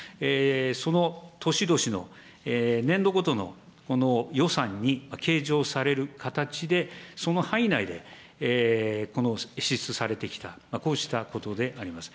そのとしどしの年度ごとの、予算に計上される形で、その範囲内で支出されてきた、こうしたことであります。